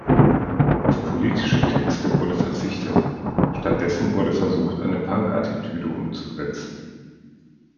Auf politische Texte wurde verzichtet, stattdessen wurde versucht eine Punk-Attitüde umzusetzen.